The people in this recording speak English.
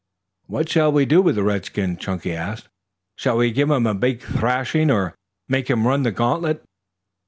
"What shall we do with this redskin?" Chunky asked. "Shall we give him a big thrashing, or make him run the gauntlet?"